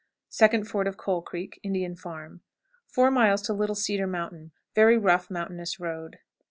Second ford of Coal Creek. Indian farm. 4. Little Cedar Mountain. Very rough, mountainous road.